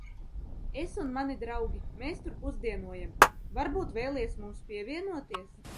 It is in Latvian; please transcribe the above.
Es un mani draugi, mēs tur pusdienojam, varbūt vēlies mums pievienoties?